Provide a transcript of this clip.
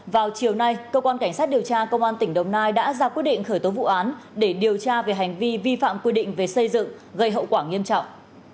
vào chiều nay cơ quan cảnh sát điều tra công an tỉnh đồng nai đã ra quyết định khởi tố vụ án để điều tra về hành vi vi phạm quy định về xây dựng gây hậu quả nghiêm trọng